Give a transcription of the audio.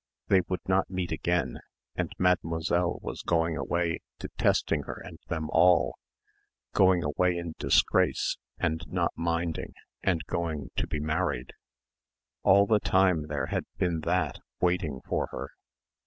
They would not meet again and Mademoiselle was going away detesting her and them all, going away in disgrace and not minding and going to be married. All the time there had been that waiting for her.